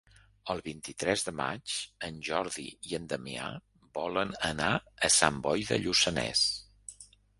El vint-i-tres de maig en Jordi i en Damià volen anar a Sant Boi de Lluçanès.